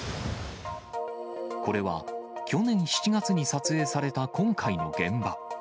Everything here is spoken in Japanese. これは、去年７月に撮影された今回の現場。